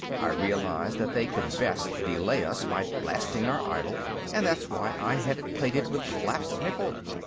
I realized that they could best delay us by blasting our idol, and that's why I had it plated with collapsed nickel.